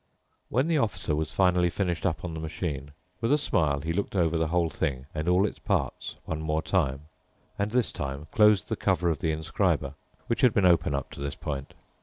When the Officer was finally finished up on the machine, with a smile he looked over the whole thing and all its parts one more time, and this time closed the cover of the inscriber, which had been open up to this point.